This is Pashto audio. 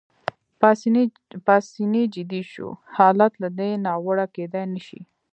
پاسیني جدي شو: حالت له دې ناوړه کېدای نه شي.